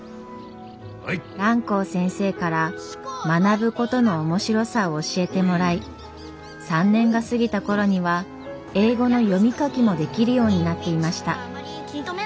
蘭光先生から学ぶことの面白さを教えてもらい３年が過ぎた頃には英語の読み書きもできるようになっていました。